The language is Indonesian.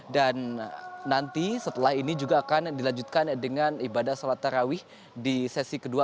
dan nanti setelah ini juga akan dilanjutkan dengan ibadah sholat tarawih di sesi kedua